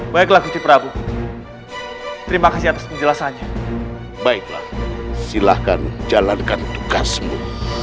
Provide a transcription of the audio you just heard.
baiklah kiti prabu terima kasih atas penjelasannya baiklah silahkan jalankan tugasmu